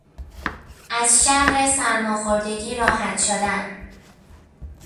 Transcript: از شر سرماخوردگی راحت شدن